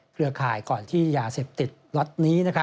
เครือข่ายก่อนที่ยาเสพติดล็อตนี้